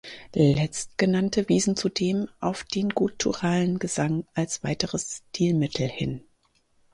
Letztgenannte wiesen zudem auf den gutturalen Gesang als weiteres Stilmittel hin.